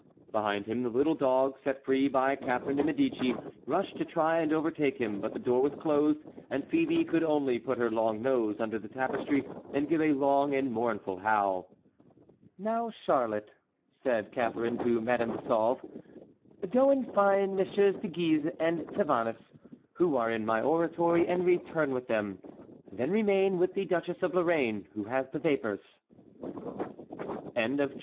Behind him the little dog, set free by Catharine de Médicis, rushed to try and overtake him, but the door was closed, and Phœbe could only put her long nose under the tapestry and give a long and mournful howl. "Now, Charlotte," said Catharine to Madame de Sauve, "go and find Messieurs de Guise and Tavannes, who are in my oratory, and return with them; then remain with the Duchess of Lorraine, who has the vapors." CHAPTER VII.